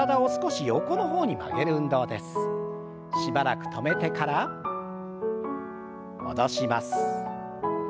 しばらく止めてから戻します。